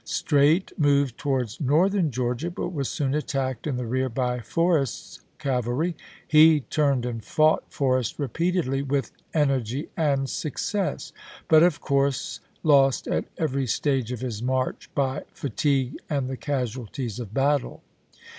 Streight moved towards Northern Georgia, but was soon attacked in the rear by Forrest's cavalry. He turned and fought Forrest repeatedly, with energy and success, but, 52 ABRAHAM LINCOLN Chap. III. of coursG, lost at evGiy stage of his march by fa tigue and the casualties of battle.